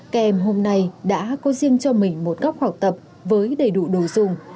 kèm hôm nay đã có riêng cho mình một góc học tập với đầy đủ đồ dùng